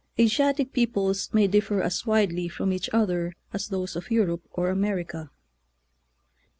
Asiatic peoples may differ as widely from each other as those of Europe or America.